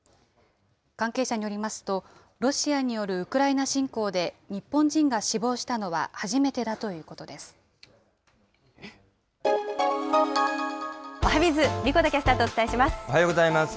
関係者によりますと、ロシアによるウクライナ侵攻で日本人が死亡したのは初めてだといおはＢｉｚ、おはようございます。